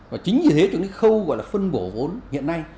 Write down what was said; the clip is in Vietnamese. và chính như thế thì cái khâu gọi là phân bổ vốn hiện nay